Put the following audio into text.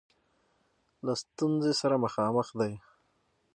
له ستونزه سره مخامخ دی.